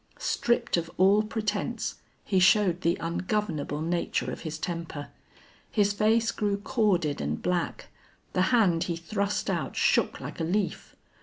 Stripped of all pretense, he showed the ungovernable nature of his temper. His face grew corded and black. The hand he thrust out shook like a leaf.